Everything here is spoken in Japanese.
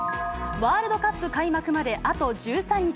ワールドカップ開幕まであと１３日。